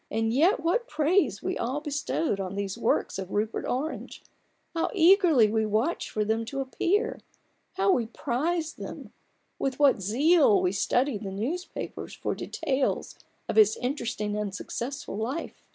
And yet what praise we all bestowed on these works of Rupert Orange ! How eagerly we watched for them to appear ; how we prized them ; with what zeal we studied the newspapers for details of his interesting and successful life